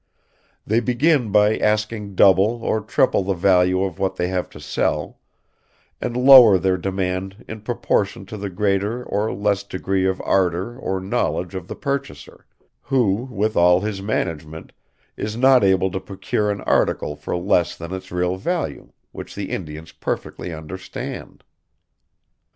They begin by asking double or treble the value of what they have to sell, and lower their demand in proportion to the greater or less degree of ardor or knowledge of the purchaser, who, with all his management, is not able to procure an article for less than its real value, which the Indians perfectly understand."